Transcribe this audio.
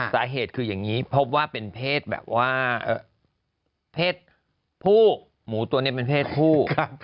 สาเหตุคืออย่างนี้พบว่าเป็นเพศแบบว่าเพศผู้หมูตัวนี้เป็นเพศผู้